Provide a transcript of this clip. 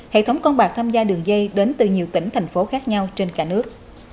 hệ thống con bạc tham gia đường dây đến từ nhiều tỉnh thành phố khác nhau trên cả nước